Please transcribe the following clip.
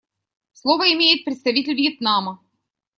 Слово имеет представитель Вьетнама.